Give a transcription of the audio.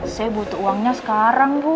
saya butuh uangnya sekarang bu